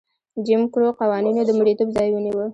جیم کرو قوانینو د مریتوب ځای ونیو.